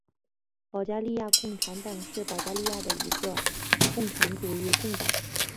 保加利亚共产党是保加利亚的一个共产主义政党。